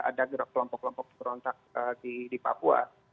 ada kelompok kelompok serontak di papua